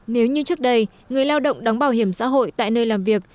nếu như trước đây người lao động đóng bảo hiểm xã hội tại nơi làm việc